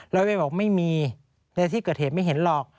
ร้อยเวนบอกไม่มีแต่ที่เกิดเหตุไม่เห็นหรอก